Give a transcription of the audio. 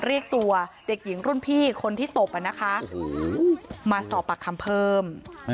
เรียกตัวเด็กหญิงรุ่นพี่คนที่ตบมาสอบปากคำเพิ่ม